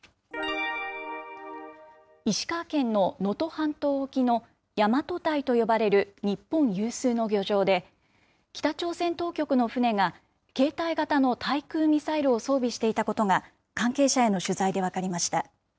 石川県の能登半島沖の大和堆と呼ばれる日本有数の漁場で、北朝鮮当局の船が、携帯型の対空ミサイルを装備していたことが、関係者への取材で分かりました。